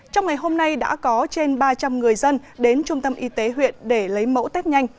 trong ngày hôm nay đã có trên ba trăm linh người dân đến trung tâm y tế huyện để lấy mẫu test nhanh